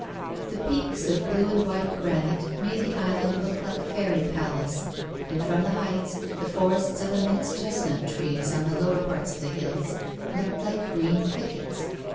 The peaks of blue and pink granite made the island look like a fairy palace, and, from the heights, the forests of 68 A WOMAN'S LIFE. immense chestnut trees ontlie lower parts of the liills looked like green thickets.